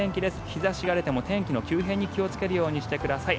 日差しが出ても天気の急変に気をつけるようにしてください。